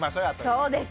そうです。